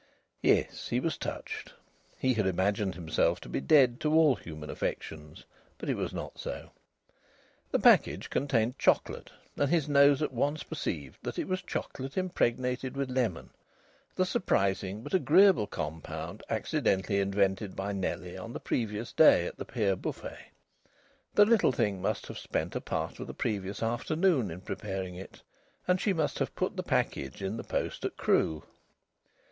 Yes, he was touched. He had imagined himself to be dead to all human affections, but it was not so. The package contained chocolate, and his nose at once perceived that it was chocolate impregnated with lemon the surprising but agreeable compound accidentally invented by Nellie on the previous day at the pier buffet. The little thing must have spent a part of the previous afternoon in preparing it, and she must have put the package in the post at Crewe.